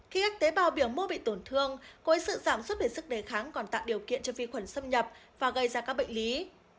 khi các tế bào biểu mô bị tổn thương cô ấy sự giảm sức để sức đề kháng còn tạo điều kiện cho vi khuẩn xâm nhập và gây ra các bệnh lý